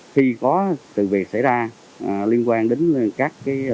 khi có sự việc xảy ra liên quan đến các lực lượng